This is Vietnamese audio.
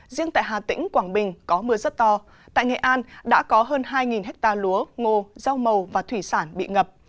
riêng tại hà tĩnh quảng bình có mưa rất to tại nghệ an đã có hơn hai ha lúa ngô rau màu và thủy sản bị ngập